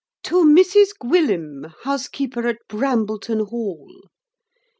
To Mrs GWYLLIM, house keeper at Brambleton hall.